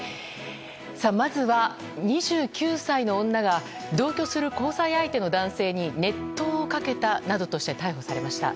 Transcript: まずは２９歳の女が同居する交際相手の男性に熱湯をかけたなどとして逮捕されました。